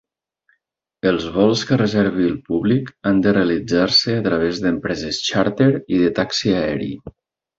Els vols que reservi el públic han de realitzar-se a través d'empreses xàrter i de taxi aeri.